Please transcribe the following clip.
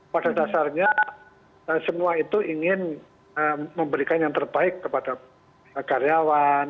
pada dasarnya semua itu ingin memberikan yang terbaik kepada karyawan